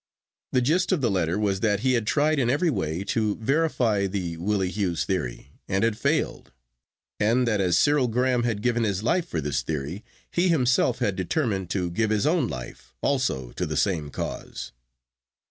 The gist of the letter was that he had tried in every way to verify the Willie Hughes theory, and had failed, and that as Cyril Graham had given his life for this theory, he himself had determined to give his own life also to the same cause.